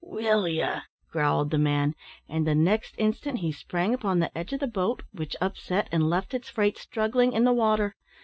"Will ye!" growled the man; and the next instant he sprang upon the edge of the boat, which upset, and left its freight struggling in the water.